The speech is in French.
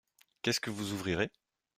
Qu’est-ce que vous ouvrirez ?